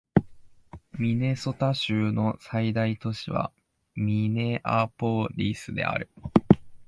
ミネソタ州の最大都市はミネアポリスである